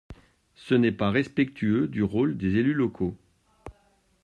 Ce n’est pas respectueux du rôle des élus locaux.